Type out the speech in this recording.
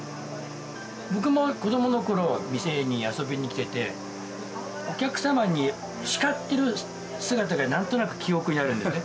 僕も子供の頃店に遊びに来ててお客様に叱ってる姿が何となく記憶にあるんですね。